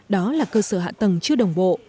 đó là cơ sở hạ tầng chưa đồng bộ